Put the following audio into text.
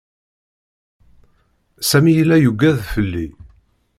Sami yella yuggad fell-i.